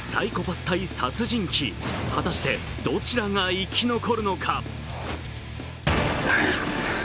サイコパス対殺人鬼、果たしてどちらが生き残るのか。